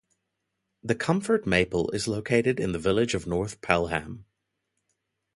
The Comfort Maple is located in the village of North Pelham.